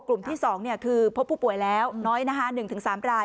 กลุ่มที่๒คือพบผู้ป่วยแล้วน้อย๑๓ราย